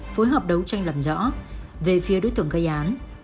phối hợp đấu tranh làm rõ về phía đối tượng gây án